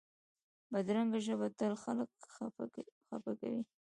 بدرنګه ژبه تل خلک خفه کوي